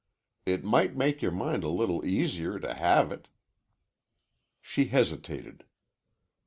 It might make your mind a little easier to have it." She hesitated.